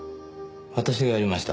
私がやりました。